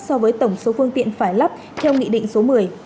so với tổng số phương tiện phải lắp theo nghị định số một mươi